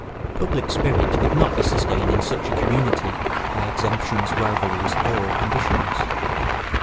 Public spirit could not be sustained in such a community by exemptions, rivalries, or ambitions.